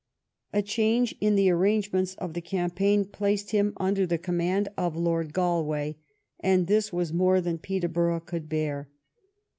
A change in the arrangements of the campaign placed him under the command of Lord Galway, and this was more than Peterborough could bear.